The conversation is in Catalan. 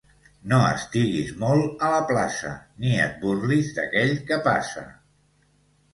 No estiguis molt a la plaça, ni et burlis d'aquell que passa.